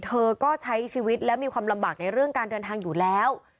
เธอก็ใช้ชีวิตและมีความลำบากในเรื่องการเดินทางอยู่แล้ว